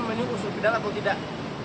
menyusul pedal atau tidak